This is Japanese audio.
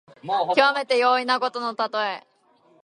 きわめて容易なことのたとえ。